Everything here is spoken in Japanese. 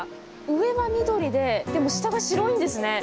上が緑ででも下が白いんですね。